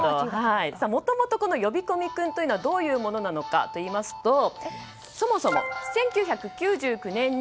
もともと、呼び込み君というのはどういうものなのかといいますとそもそも１９９９年に。